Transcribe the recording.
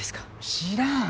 知らん。